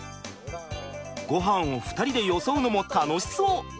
ごはんを２人でよそうのも楽しそう。